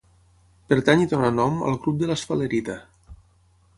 Pertany i dóna nom al grup de l'esfalerita.